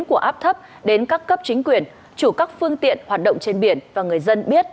của áp thấp đến các cấp chính quyền chủ các phương tiện hoạt động trên biển và người dân biết